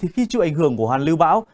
khi chịu ảnh hưởng của hoàn lưu bão